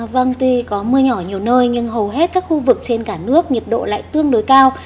vâng tuy có mưa nhỏ nhiều nơi nhưng hầu hết các khu vực trên cả nước nhiệt độ lại tương đối cao